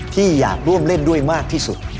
ที่อยากร่วมเล่นด้วยมากที่สุด